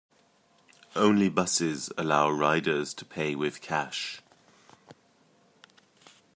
Only buses allow riders to pay with cash.